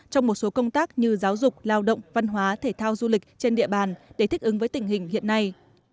trong một số công tác như giáo dục lao động văn hóa thể thao du lịch trên địa bàn để thích ứng với tình hình hiện nay